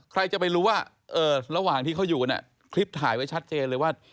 ใครจะไปรู้ว่าระหว่างที่เขาอยู่กันคลิปถ่ายไว้ชัดเจนเลยว่า